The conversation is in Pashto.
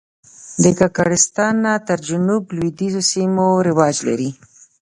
د کاکړستان څخه تر جنوب لوېدیځو سیمو رواج لري.